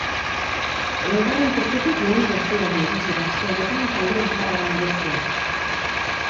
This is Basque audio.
Laugarren postutik lehen posturaino iritsi da aste honetan talde nafarraren abestia.